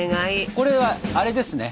これはあれですね。